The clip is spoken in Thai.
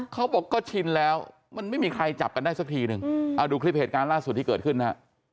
เขาบอกก็ชินแล้วมันไม่มีใครจับกันได้สักทีนึงเอาดูคลิปเหตุการณ์ล่าสุดที่เกิดขึ้นนะฮะ